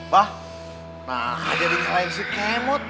bah nah jadi nyalain si kemot